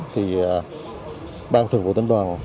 thì bang thường vụ tỉnh đoàn